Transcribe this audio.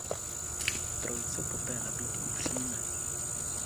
Trojice poté nabídku přijme.